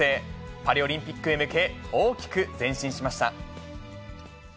パリオリンピックへ向け、大きく前進しました。